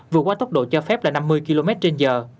vượt qua tốc độ cho phép là năm mươi km trên giờ